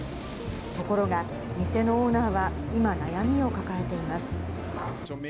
ところが、店のオーナーは今、悩みを抱えています。